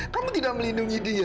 kamu tidak melindungi dia